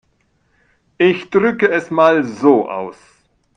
Ich drücke es mal so aus.